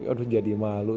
aduh jadi malu